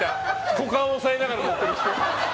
股間を押さえながら乗ってる人。